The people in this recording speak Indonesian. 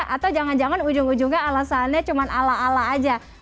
atau jangan jangan ujung ujungnya alasannya cuma ala ala aja